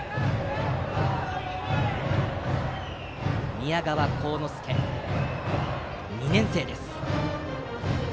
宮川幸之助、２年生です。